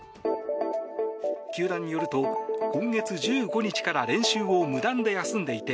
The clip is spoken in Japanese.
球団によると、今月１５日から練習を無断で休んでいて